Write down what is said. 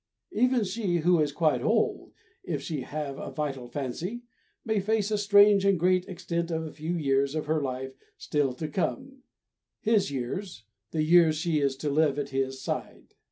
Even she who is quite old, if she have a vital fancy, may face a strange and great extent of a few years of her life still to come his years, the years she is to live at his side.